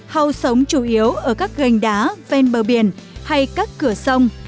hầu sống chủ yếu ở các gành đá ven bờ biển hay các cửa sông